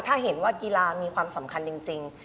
ถ้าเห็นว่ากีฬามีความสำคัญจริง